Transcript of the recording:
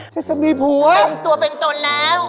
ฉันจะมีผัวเป็นตัวเป็นตนแล้ว